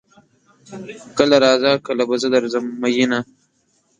کله راځه کله به زه درځم میینه